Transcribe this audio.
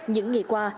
những ngày qua